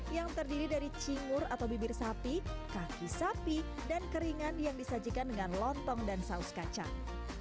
yang terdiri dari cingur atau bibir sapi kaki sapi dan keringan yang disajikan dengan lontong dan saus kacang